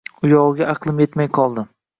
Uyog’iga aqlim yetmay qoldi…